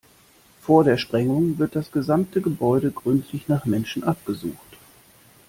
Vor der Sprengung wird das gesamte Gebäude gründlich nach Menschen abgesucht.